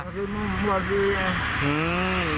แล้วครั้งล่าสุดที่ใส่ชิดตำรวจมา